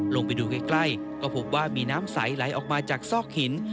ลงไปดูใกล้ก็พบว่ามีน้ำใสไหลออกมาจากซอกหิน